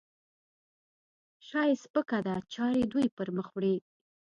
شا یې سپکه ده؛ چارې دوی پرمخ وړي.